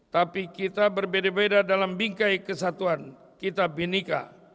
tapi kita berbeda beda dalam bingkai kesatuan kita binika